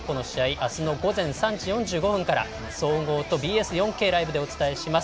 明日の午前３時４５分から総合とＢＳ４Ｋ、ライブでお伝えします。